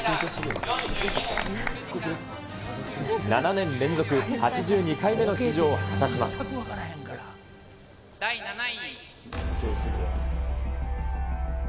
７年連続８２回目の出場を果第７位。